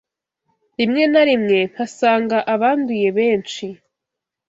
Rimwe na rimwe mpasanga abanduye benshi